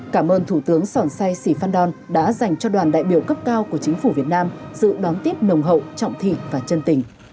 cảm ơn thủ tướng sòn sai sì phan đòn đã dành cho đoàn đại biểu cấp cao của chính phủ việt nam dự đón tiếp nồng hậu trọng thị và chân tình